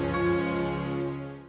dia tidak ada di sini